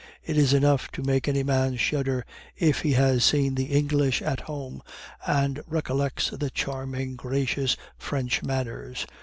"It is enough to make any man shudder if he has seen the English at home, and recollects the charming, gracious French manners.